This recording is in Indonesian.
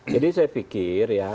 jadi saya pikir ya